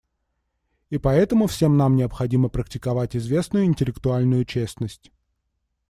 И поэтому всем нам необходимо практиковать известную интеллектуальную честность.